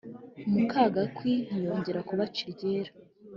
muka gakwi ntiyongera kubaca iryera.